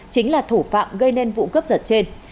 chính là thủ phạm gây nên vụ cướp giật trên